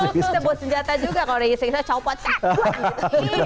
kita buat senjata juga kalau diisi isi copot tat